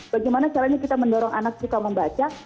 bagaimana caranya kita mendorong anak suka membaca